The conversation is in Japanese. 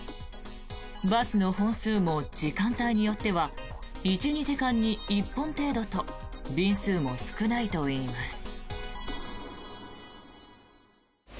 バスの本数も時間帯によっては１２時間に１本程度と便数も少ないといいます。